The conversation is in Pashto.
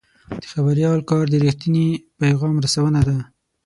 د خبریال کار د رښتیني پیغام رسونه ده.